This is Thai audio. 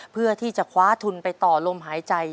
เพื่อที่จะคว้าทุนไปต่อลมหายใจ